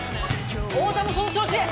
太田もその調子！